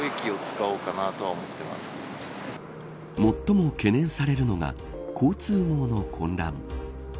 最も懸念されるのが交通網の混乱。